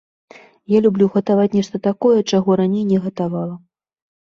Я люблю гатаваць нешта такое, чаго раней не гатавала.